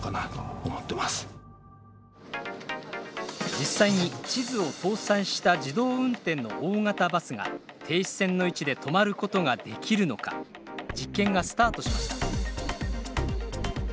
実際に地図を搭載した自動運転の大型バスが停止線の位置で止まることができるのか実験がスタートしました